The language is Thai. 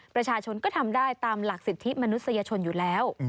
ประชาชนก็ทำได้ตามหลักสิทธิมนุษยชนอยู่แล้ว